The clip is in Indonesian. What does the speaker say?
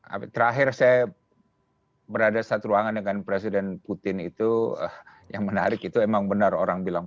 tapi terakhir saya berada satu ruangan dengan presiden putin itu yang menarik itu emang benar orang bilang